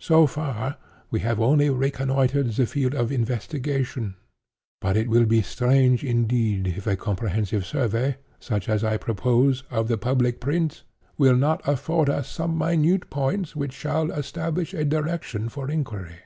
So far, we have only reconnoitred the field of investigation; but it will be strange indeed if a comprehensive survey, such as I propose, of the public prints, will not afford us some minute points which shall establish a direction for inquiry."